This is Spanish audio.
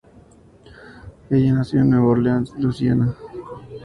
Ella nació en Nueva Orleans, Luisiana.